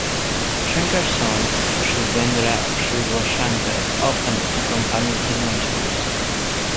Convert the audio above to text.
Shankar's son, Shubhendra "Shubho" Shankar, often accompanied him on tours.